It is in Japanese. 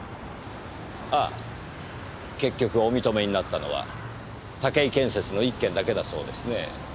ああ結局お認めになったのは岳井建設の１件だけだそうですねぇ。